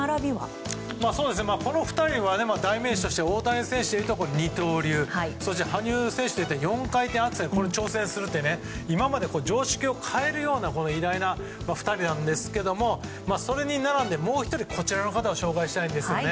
この２人の代名詞は大谷選手というと二刀流羽生選手といったら４回転アクセルに挑戦すると今までの常識を変えるような偉大な２人なんですけどもそれに並んで、もう１人こちらの方を紹介したいんです。